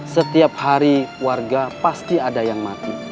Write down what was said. setiap hari warga pasti ada yang mati